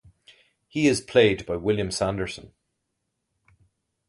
He is played by William Sanderson.